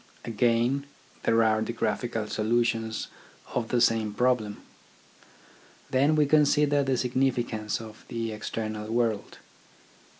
Again, there are the graphical solutions of the same problem. Then we consider the significance in the external world.